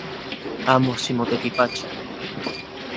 Amo ximotekipacho